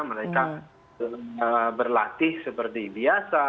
mereka berlatih seperti biasa